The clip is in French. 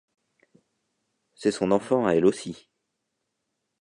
C'est son enfant à elle aussi.